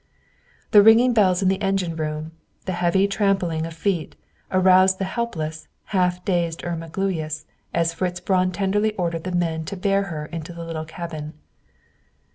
The ringing of bells in the engine room, the heavy trampling of feet, aroused the helpless, half dazed Irma Gluyas, as Fritz Braun tenderly ordered the men to bear her into the little cabin.